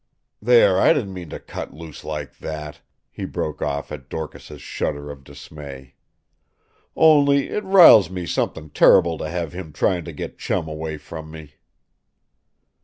There! I didn't mean to cut loose like that!" he broke off at Dorcas's shudder of dismay. "Only it riles me something terrible to have him trying to get Chum away from me."